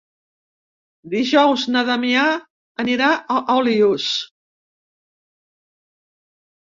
Dijous na Damià anirà a Olius.